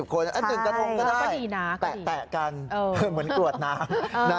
๑กระทงก็ได้แตะกันเหมือนกรวดน้ำ